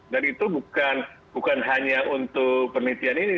dan itu bukan hanya untuk penelitian ini